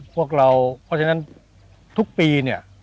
เพราะฉะนั้นทุกปีเนี่ย